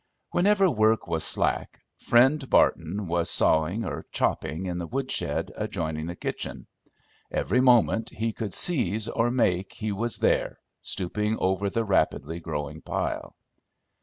Whenever work was "slack," Friend Barton was sawing or chopping in the woodshed adjoining the kitchen; every moment he could seize or make he was there, stooping over the rapidly growing pile.